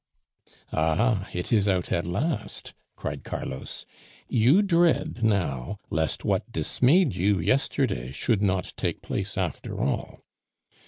"Ah, it is out at last!" cried Carlos. "You dread now lest what dismayed you yesterday should not take place after all!